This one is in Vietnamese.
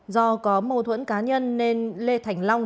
do có mâu thuẫn cá nhân nên lê thành long